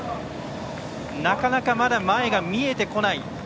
なかなかまだ前が見えてこない。